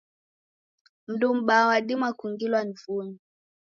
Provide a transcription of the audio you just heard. Mndu m'baa wadima kungilwa ni vunyu.